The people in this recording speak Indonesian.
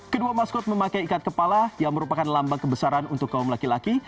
kedua maskot memakai ikat kepala yang merupakan lambang kebesaran untuk kaum laki laki